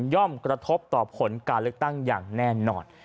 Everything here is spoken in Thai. กระทบต่อผลการเลือกตั้งอย่างแน่นอน